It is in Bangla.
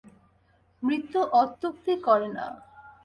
মৃত্যু অত্যুক্তি করে না।